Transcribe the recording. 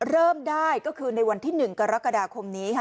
เริ่มได้ก็คือในวันที่๑กรกฎาคมนี้ค่ะ